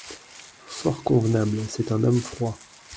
Fort convenable… c’est un homme froid…